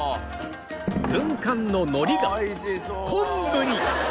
軍艦ののりが昆布に！